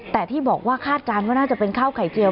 แต่ที่บอกว่าคาดการณ์ว่าน่าจะเป็นข้าวไข่เจียว